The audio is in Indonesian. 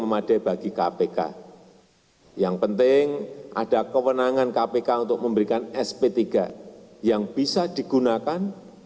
memadai bagi kpk yang penting ada kewenangan kpk untuk memberikan sp tiga yang bisa digunakan